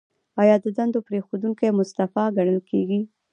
ایا د دندې پریښودونکی مستعفي ګڼل کیږي؟